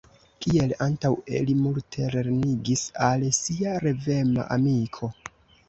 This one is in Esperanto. Kiel antaŭe, li multe lernigis al sia revema amiko.